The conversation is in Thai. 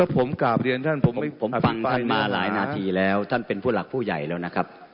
ผมฟังมาหลายนาทีแล้วท่านเป็นผู้หลักผู้ใหญ่แล้วนะครับ